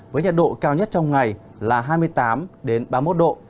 với nhiệt độ cao nhất trong ngày là hai mươi tám ba mươi một độ